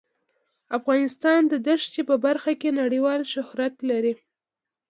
افغانستان د دښتې په برخه کې نړیوال شهرت لري.